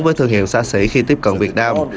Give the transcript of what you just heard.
với thương hiệu xa sĩ khi tiếp cận việt nam